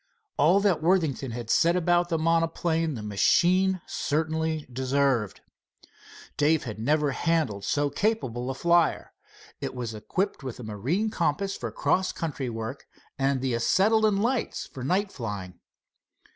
All that Worthington had said about the monoplane the machine certainly deserved. Dave had never handled so capable a flyer. It was equipped with a marine compass for cross country work, and the acetylene lights for night flying.